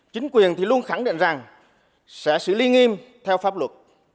chính quyền thì luôn khẳng định rằng sẽ xử lý nghiêm theo pháp luật